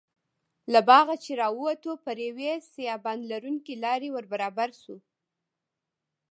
له باغه چې راووتو پر یوې سایبان لرونکې لارې وربرابر شوو.